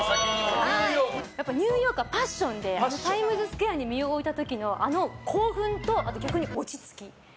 ニューヨークはパッションでタイムズスクエアに身を置いた時のあの興奮と、逆に落ち着き。